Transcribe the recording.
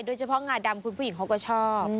โดยเฉพาะงาดำคุณผู้หญิงเขาก็ชอบ